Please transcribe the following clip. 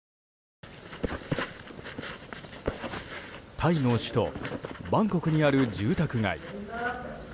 タイの首都バンコクにある住宅街。